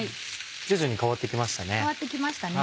徐々に変わって来ましたね。